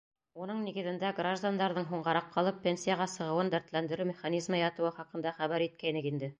Уның нигеҙендә граждандарҙың һуңғараҡ ҡалып пенсияға сығыуын дәртләндереү механизмы ятыуы хаҡында хәбәр иткәйнек инде.